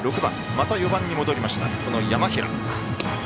また４番に戻りました、山平。